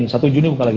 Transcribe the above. satu juni buka lagi